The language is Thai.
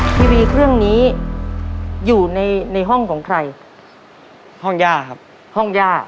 ทีวีเครื่องนี้อยู่ในห้องของใครห้องย่าครับห้องย่า